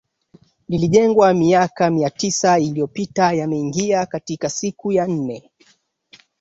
lilijengwa miaka mia tisa iliyopita yameingia katika siku ya nne